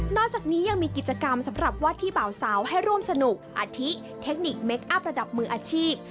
จากนี้ยังมีกิจกรรมสำหรับวาดที่เบาสาวให้ร่วมสนุกอาทิเทคนิคเมคอัพระดับมืออาชีพ